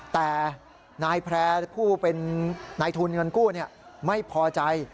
แต่นายแพร่ผู้เป็นนายทุนเงินกู้ไม่พอใจ